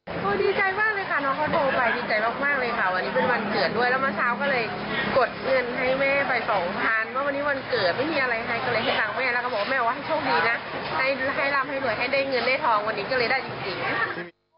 โอ้โฮดีใจมากเลยค่ะน้องเขาโทรไปดีใจมากเลยค่ะ